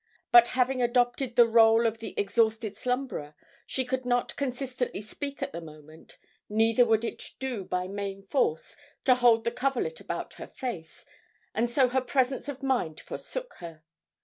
But having adopted the rôle of the exhausted slumberer, she could not consistently speak at the moment; neither would it do by main force, to hold the coverlet about her face, and so her presence of mind forsook her.